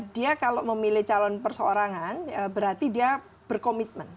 dia kalau memilih calon perseorangan berarti dia berkomitmen